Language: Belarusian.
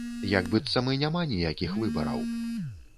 Як быццам і няма ніякіх выбараў!